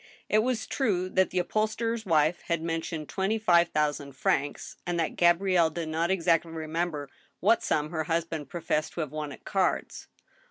It was true that the upholsterer's wife had mentioned twenty five thousand francs, and that Gabrielle did not exactly remember what sum her husband professed to have won at cards.